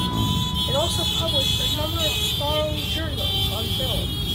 It also published a number of scholarly journals on film.